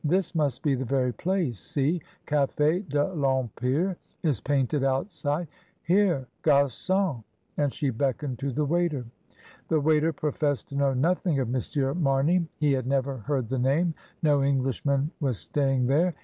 "This must be the very place — see, *Cafe de TEmpire' is painted outside. Here, gargonl* and she beckoned to the waiter. The waiter professed to know nothing of M. Mamey. He had never heard the name; no Eng lishman was staying there.